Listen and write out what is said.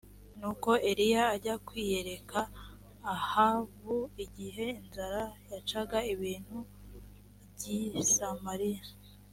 nuko eliya ajya kwiyereka ahabu igihe inzara yacaga ibintu g i samariya